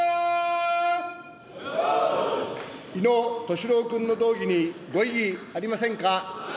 井野俊郎君の動議にご異議ありませんか。